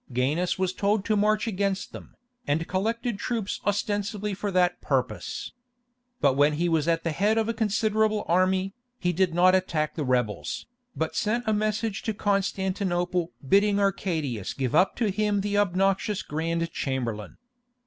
Gainas was told to march against them, and collected troops ostensibly for that purpose. But when he was at the head of a considerable army, he did not attack the rebels, but sent a message to Constantinople bidding Arcadius give up to him the obnoxious Grand Chamberlain.